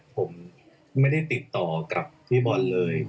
ผมไม่ได้ติดต่อกับพี่บอลเลย